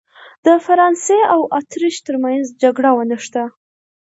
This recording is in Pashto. د فرانسې او اتریش ترمنځ جګړه ونښته.